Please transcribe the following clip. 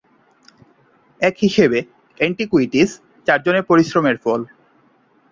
এক হিসেবে ‘অ্যান্টিকুইটিজ’ চারজনের পরিশ্রমের ফল।